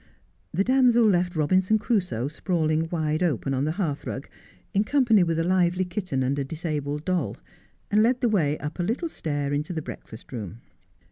The damsel left Robinson Crusoe sprawling wide open on the hearth rug, in company with a lively kitten and a disabled doll, and led the way up a little stair into the breakfast room.